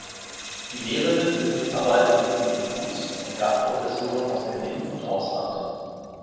Die Lehrenden sind Mitarbeiter des Instituts und Gastprofessoren aus dem In- und Ausland.